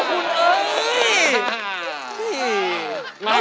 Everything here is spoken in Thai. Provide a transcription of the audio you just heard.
อีท่า